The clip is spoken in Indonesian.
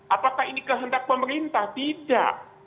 apakah ini kehendak pemerintah tidak